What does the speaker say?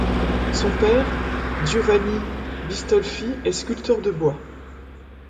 Son père, Giovanni Bistolfi, est sculpteur sur bois.